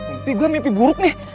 mimpi gue mimpi buruk nih